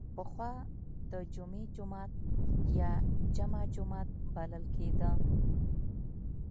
پخوا د جمعې جومات یا جمعه جومات بلل کیده.